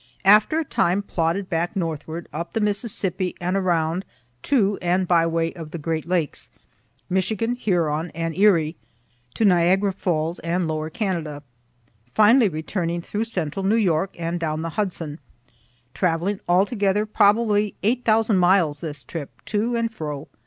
After a time plodded back northward, up the Mississippi, and around to, and by way of the great lakes, Michigan, Huron, and Erie, to Niagara falls and lower Canada, finally returning through central New York and down the Hudson; traveling altogether probably 8,000 miles this trip, to and fro.